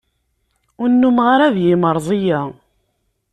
Ur nnumeɣ ara d yimeẓri-a.